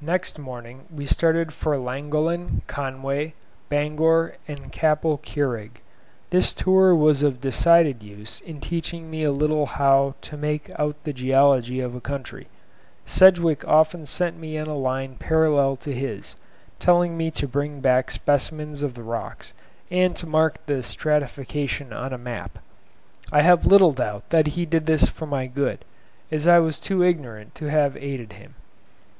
Next morning we started for Llangollen, Conway, Bangor, and Capel Curig. This tour was of decided use in teaching me a little how to make out the geology of a country. Sedgwick often sent me on a line parallel to his, telling me to bring back specimens of the rocks and to mark the stratification on a map. I have little doubt that he did this for my good, as I was too ignorant to have aided him.